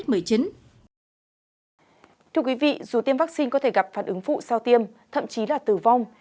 thưa quý vị dù tiêm vaccine có thể gặp phản ứng phụ sau tiêm thậm chí là tử vong